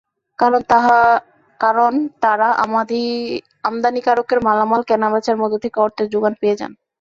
কারণ, তারা আমদানিকারকের মালামাল কেনাবেচার মধ্য থেকে অর্থের জোগান পেয়ে যান।